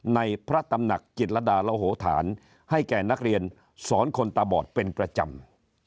ในพระตำหนักจิตรดาลโหธานให้แก่นักเรียนสอนคนตาบอดเป็นประจำ